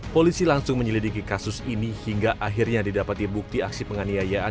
polisi langsung menyelidiki kasus ini hingga akhirnya didapati bukti aksi penganiayaan